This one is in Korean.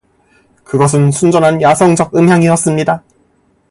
그것은 순전한 야성적 음향이었습니다.